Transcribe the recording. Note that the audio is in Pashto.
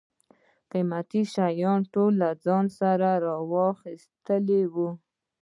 قیمتي شیان یې ټول له ځان سره را اخیستي و.